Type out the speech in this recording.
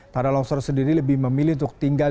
para loksor sendiri lebih memilih untuk tinggal